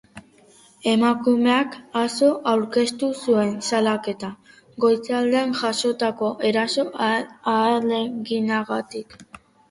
Emakumeak atzo aurkeztu zuen salaketa, goizaldean jazotako eraso ahaleginagatik.